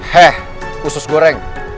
heh usus goreng